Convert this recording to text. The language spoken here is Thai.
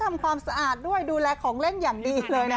ทำความสะอาดด้วยดูแลของเล่นอย่างดีเลยนะ